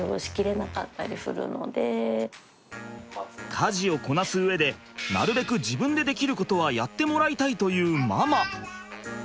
家事をこなす上でなるべく自分でできることはやってもらいたいというママ。